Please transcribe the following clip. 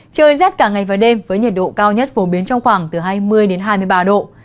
trời rét cả ngày và đêm với nhiệt độ cao nhất phổ biến trong khoảng từ hai mươi hai mươi ba độ